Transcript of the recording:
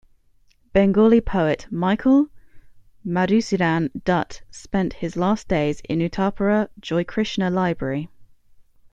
Bengali poet Michael Madhusudan Dutt spent his last days in Uttarpara Joykrishna Library.